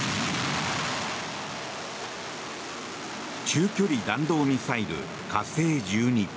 中距離弾道ミサイル火星１２。